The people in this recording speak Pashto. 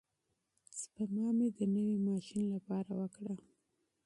سپما مې د نوي ماشین لپاره وکړه.